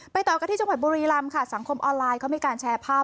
ต่อกันที่จังหวัดบุรีรำค่ะสังคมออนไลน์ก็มีการแชร์ภาพ